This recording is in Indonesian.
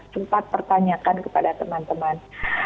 sempat pertanyakan kepada teman teman